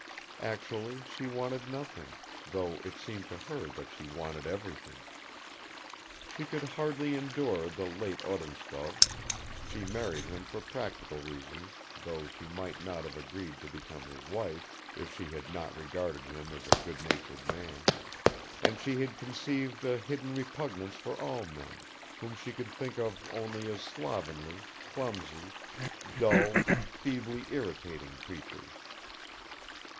Actually she wanted nothing, though it seemed to her that she wanted everything. She could hardly endure the late Odintsov (she married him for practical reasons though she might not have agreed to become his wife if she had not regarded him as a good natured man), and she had conceived a hidden repugnance for all men, whom she could think of only as slovenly, clumsy, dull, feebly irritating creatures.